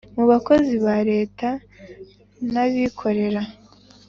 mu bakozi ba leta na bikorera .